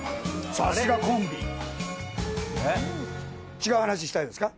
違う話したいですか？